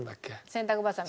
洗濯ばさみ？